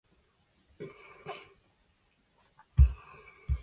It is located in the western suburbs of Paris, from the centre of Paris.